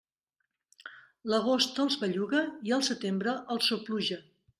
L'agost els belluga i el setembre els sopluja.